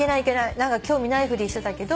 何か興味ないふりしてたけど。